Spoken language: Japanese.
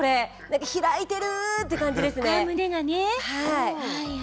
開いているっていう感じです。